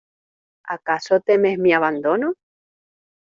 ¿ acaso temes mi abandono?